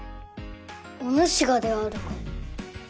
おぬしがであるか？